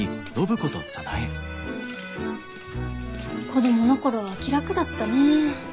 子供の頃は気楽だったねぇ。